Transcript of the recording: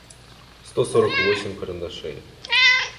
сто сорок восемь карандашей